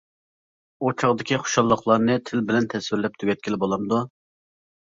ئۇ چاغدىكى خۇشاللىقلارنى تىل بىلەن تەسۋىرلەپ تۈگەتكىلى بولامدۇ؟ !